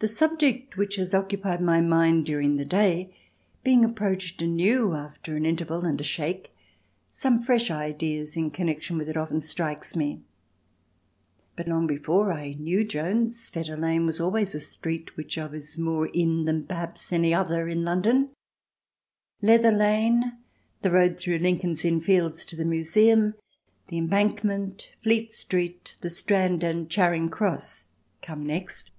The subject which has occupied my mind during the day being approached anew after an interval and a shake, some fresh idea in connection with it often strikes me. But long before I knew Jones, Fetter Lane was always a street which I was more in than perhaps any other in London. Leather Lane, the road through Lincoln's Inn Fields to the Museum, the Embankment, Fleet Street, the Strand and Charing Cross come next.